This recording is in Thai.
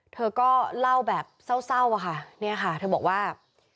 เธอก็เล่าแบบเศร้าอะค่ะเนี่ยค่ะเธอบอกว่า